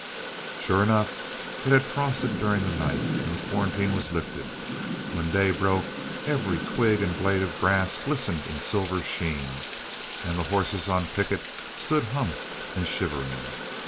Sure enough, it had frosted during the night, and the quarantine was lifted. When day broke, every twig and blade of grass glistened in silver sheen, and the horses on picket stood humped and shivering.